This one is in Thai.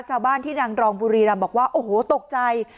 ชาวบ้านที่นางรองบุรีรำบอกว่าโอ้โหตกใจ